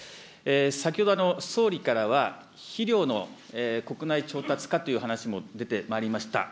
先ほど総理からは、肥料の国内調達化という話も出てまいりました。